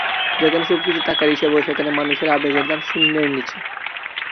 যেখানে সবকিছু টাকার হিসাবে হয়, সেখানে মানুষের আবেগের দাম শূন্যের নিচে।